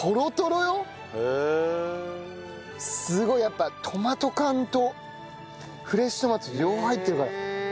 すごいやっぱトマト缶とフレッシュトマト両方入ってるから。